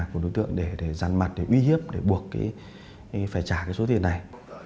của đối tượng để giàn mặt để uy hiếp để buộc phải trả cái số tiền này